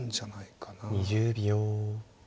２０秒。